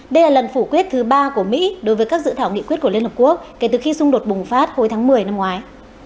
đây là lần phủ quyết thứ ba của mỹ đối với các dự thảo nghị quyết của liên hợp quốc kể từ khi xung đột bùng phát hồi tháng một mươi năm ngoái